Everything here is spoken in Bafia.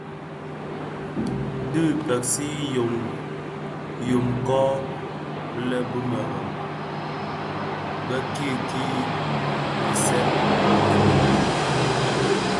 Dhi kpeksi yô kom lè bi mereb bè kiki kiseb dhi mëbom.